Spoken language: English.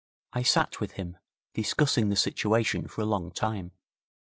I sat with him, discussing the situation for a long time.